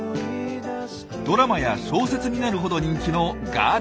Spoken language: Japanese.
ドラマや小説になるほど人気のガーデニング。